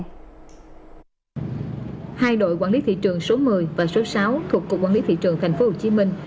hai đội quản lý thị trường số một mươi và số sáu thuộc cục quản lý thị trường thành phố hồ chí minh